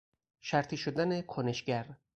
شرطی شدن کنشگر